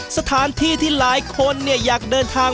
สถานที่ที่หลายคนอยากเดินทาง